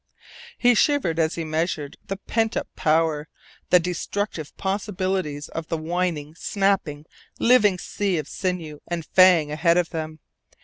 He shivered as he measured the pent up power, the destructive possibilites of the whining, snapping, living sea of sinew and fang ahead of them.